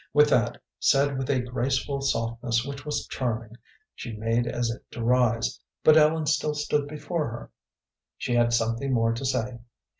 With that, said with a graceful softness which was charming, she made as if to rise, but Ellen still stood before her. She had something more to say.